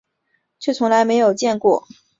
却从来没有见过有一块根像人样